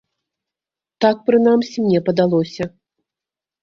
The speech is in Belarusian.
Так, прынамсі, мне падалося.